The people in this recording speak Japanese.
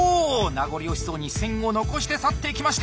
名残惜しそうに視線を残して去っていきました。